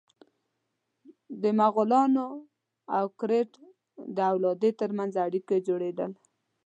د مغولانو او کرت د اولادې تر منځ اړیکو جوړېدل.